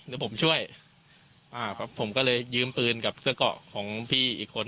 เดี๋ยวผมช่วยอ่าครับผมก็เลยยืมปืนกับเสื้อเกาะของพี่อีกคน